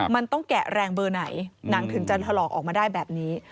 มันต้องแกะแรงเบอร์ไหนหนังถึงจะถลอกออกมาได้แบบนี้